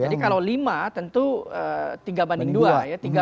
jadi kalau lima tentu tiga banding dua ya